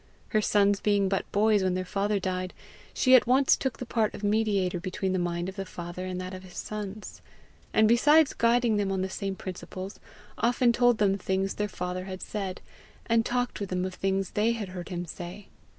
Her sons being but boys when their father died, she at once took the part of mediator between the mind of the father and that of his sons; and besides guiding them on the same principles, often told them things their father had said, and talked with them of things they had heard him say.